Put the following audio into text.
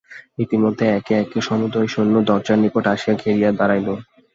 ইতিমধ্যে একে একে সমুদয় সৈন্য দরজার নিকট আসিয়া ঘেরিয়া দাঁড়াইল।